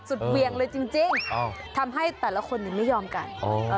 เวียงเลยจริงทำให้แต่ละคนไม่ยอมกัน